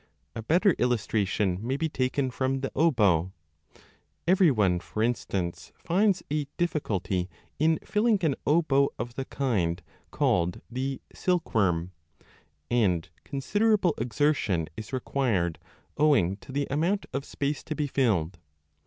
A better illustration may be taken from the oboe ; every one, for 25 instance, finds a difficulty in filling ah oboe of the kind called the silkworm * and considerable exertion is required owing to the amount of space to be filled.